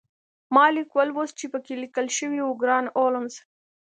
ما لیک ولوست چې پکې لیکل شوي وو ګران هولمز